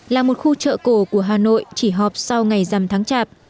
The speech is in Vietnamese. là một khu chợ cổ của hà nội chỉ họp sau ngày dằm tháng chạp